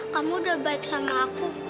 kamu udah baik sama aku